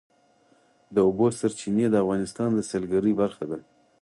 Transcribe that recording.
د اوبو سرچینې د افغانستان د سیلګرۍ برخه ده.